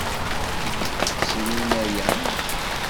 Srin aya.